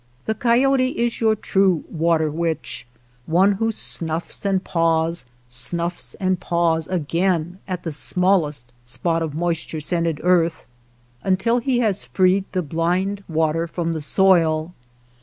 The coyote is your true water witch, one who snuffs and paws, snuffs and paws again at the smallest spot of moisture scented earth until he has freed the blind water from the soil.